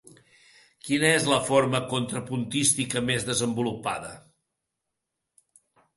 Quina és la forma contrapuntística més desenvolupada?